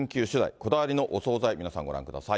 こだわりのお総菜、皆さんご覧ください。